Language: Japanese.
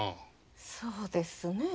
そうですねえ。